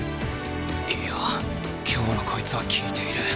いや今日のこいつは効いている。